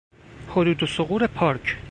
حدود و ثغور پارک